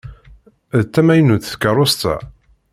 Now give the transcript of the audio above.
D tamaynut tkeṛṛust-a?